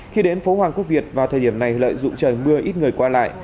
khi đến phố hoàng quốc việt vào thời điểm này lợi dụng trời mưa ít người qua lại